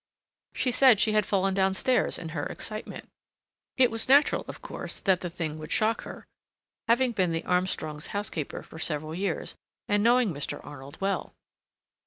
She said she had fallen down stairs in her excitement. It was natural, of course, that the thing would shock her, having been the Armstrongs' housekeeper for several years, and knowing Mr. Arnold well.